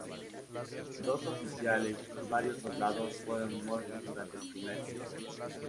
Dos oficiales y varios soldados fueron muertos durante el primer día.